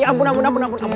ya ampun ampun ampun ampun